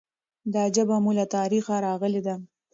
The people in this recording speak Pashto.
دا ژبه مو له تاریخه راغلي ده.